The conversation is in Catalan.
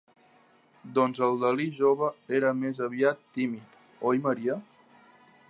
Doncs el Dalí jove era més aviat tímid, oi, Maria?